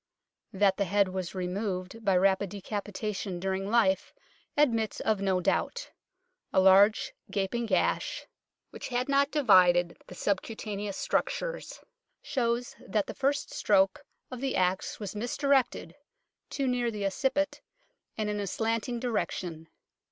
" That the head was removed by rapid decapi tation during life admits of no doubt. A large gaping gash, which had not divided the sub I 4 UNKNOWN LONDON cutaneous structures, shows that the first stroke of the axe was misdirected, too near the occiput, and in a slanting direction.